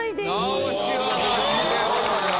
直しはなしでございます。